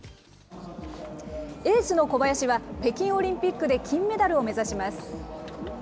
エースの小林は、北京オリンピックで金メダルを目指します。